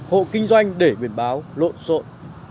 hộ kinh doanh để biệt báo lộn rộn